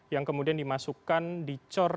yang kemudian dimasukkan dicor